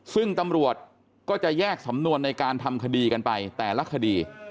ซึ่งตำรวจก็จะแยกสำนวนในการทำคดีกันไปแต่ละคดี